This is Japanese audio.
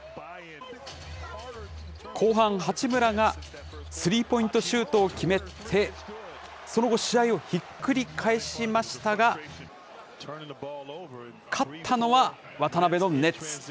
後半、八村がスリーポイントシュートを決めて、その後、試合をひっくり返しましたが、勝ったのは渡邊のネッツ。